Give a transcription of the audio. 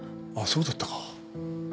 あっそうだったか